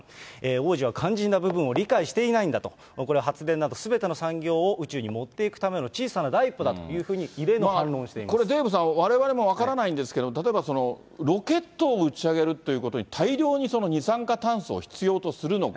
王子は肝心な部分を理解していないんだと。これ、発電などすべての産業を宇宙に持っていくための小さな第一これ、デーブさん、われわれも分からないんですけれども、例えばロケットを打ち上げるということに、大量の二酸化炭素を必要とするのか。